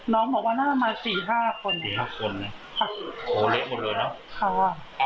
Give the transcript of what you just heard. น้องบอกว่าน่ามาสี่ห้าคนสี่ห้าคนนะโหเละหมดเลยเนอะเขาอ่ะ